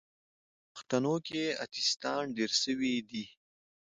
په پښتانو کې اتیستان ډیر سوې دي